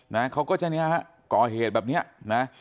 นะเขาก็จะเนี่ยฮะก่อเหตุแบบเนี้ยนะ